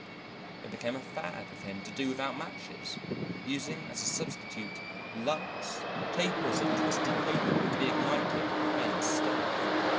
It became a fad with him to do without matches, using as a substitute "lights," tapers of twisted paper to be ignited at the famous stove.